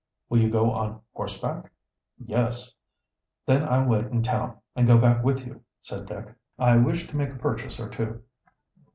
"Will you go on horseback?" "Yes." "Then I'll wait in town and go back with you," said Dick. "I wish to make a purchase or two."